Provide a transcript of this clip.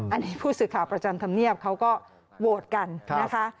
อันนี้ผู้สื่อข่าวประจำธรรมเนียบเขาก็โหวตกันนะคะ